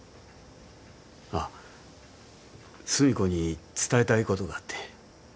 あっ寿美子に伝えたいことがあって。